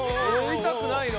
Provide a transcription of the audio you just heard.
いたくないの？